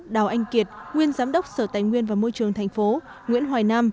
đào anh kiệt nguyên giám đốc sở tài nguyên và môi trường tp nguyễn hoài nam